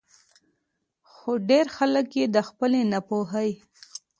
خو ډېر خلک ئې د خپلې نا پوهۍ